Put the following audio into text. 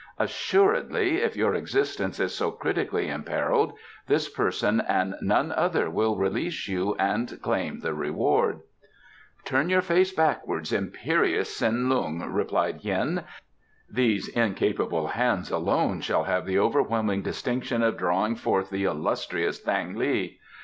Assuredly, if your existence is so critically imperilled this person and none other will release you and claim the reward." "Turn your face backwards, imperious Tsin Lung," cried Hien. "These incapable hands alone shall have the overwhelming distinction of drawing forth the illustrious Thang li."